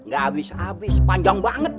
gak abis abis panjang banget dah